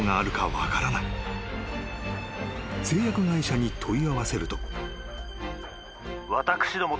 ［製薬会社に問い合わせると］